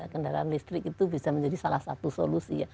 kendaraan listrik itu bisa menjadi salah satu solusi ya